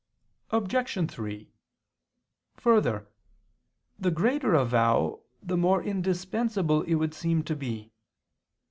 Obj. 3: Further, the greater a vow the more indispensable it would seem to be.